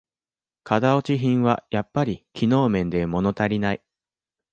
型落ち品はやっぱり機能面でものたりない